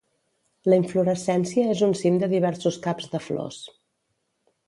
La inflorescència és un cim de diversos caps de flors.